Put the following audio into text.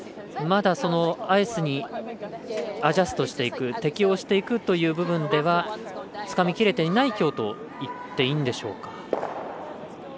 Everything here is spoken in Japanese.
まだアイスにアジャストしていく適応していくというのにはつかみきれていないきょうと言っていいんでしょうか。